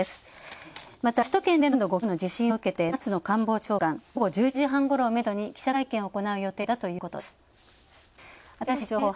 この首都圏での震度５強の地震を受けて松野官房長官が午後１１時半ごろをめどに記者会見を行う予定だということです。